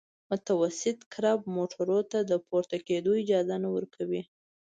متوسط کرب موټرو ته د پورته کېدو اجازه نه ورکوي